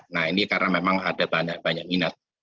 nah ini karena memang ada banyak minat